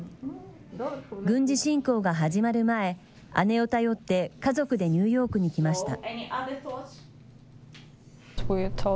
軍事侵攻が始まる前、姉を頼って家族でニューヨークに来ました。